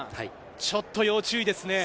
ちょっと要注意ですね。